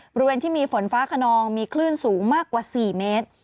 บริเวณที่มีฝนฟ้าขนองมีคลื่นสูงมากกว่า๔เมตร